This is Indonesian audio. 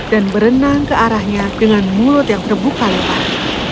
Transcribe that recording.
dan berenang ke arahnya dengan mulut yang terbuka lebar